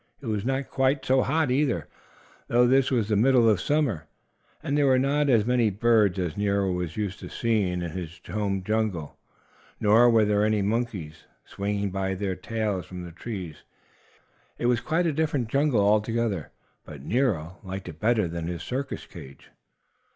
It was not quite so hot, either, though this was the middle of summer, and there were not as many birds as Nero was used to seeing in his home jungle. Nor were there any monkeys swinging by their tails from the trees. It was quite a different jungle altogether, but Nero liked it better than his circus cage.